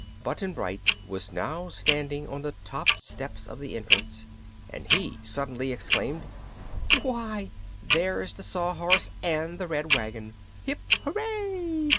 Button Bright was now standing on the top steps of the entrance, and he suddenly exclaimed: "Why, there's the Sawhorse and the Red Wagon! Hip, hooray!"